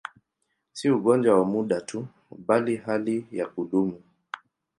Si ugonjwa wa muda tu, bali hali ya kudumu.